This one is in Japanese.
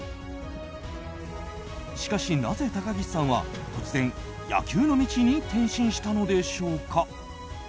しかし、なぜ高岸さんは突然野球の道に転身したのでしょうか。